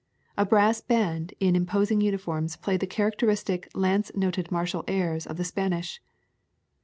A brass band in imposing uniform played the characteristic lance noted martial airs of the Spanish.